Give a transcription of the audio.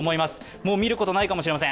もう見ることないかもしれません。